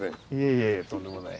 いえいえとんでもない。